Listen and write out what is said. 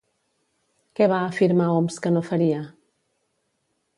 Què va afirmar Homs que no faria?